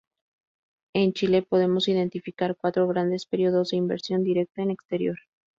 En Chile podemos identificar cuatro grandes períodos de inversión directa en el exterior.